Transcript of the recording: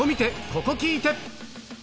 ここ聴いて！